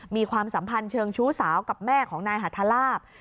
ความสัมพันธ์เชิงชู้สาวกับแม่ของนายหัทลาบ